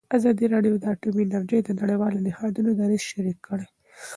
ازادي راډیو د اټومي انرژي د نړیوالو نهادونو دریځ شریک کړی.